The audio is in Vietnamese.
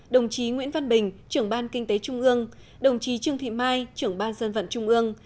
đồng chí nguyễn văn bình trưởng ban kinh tế trung ương đồng chí trương thị mai trưởng ban dân vận trung ương